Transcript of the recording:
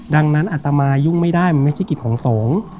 ดังนั้นอัตมายุ่งไม่ได้มันไม่ใช่กิจของสงฆ์